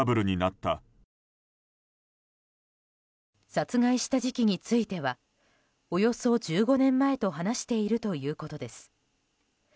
殺害した時期についてはおよそ１５年前と話しているということです。